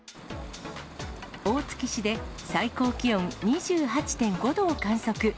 大月市で最高気温２８．５度を観測。